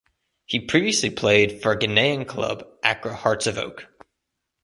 He previously played for Ghanaian club Accra Hearts of Oak.